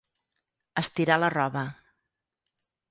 Estirar la roba.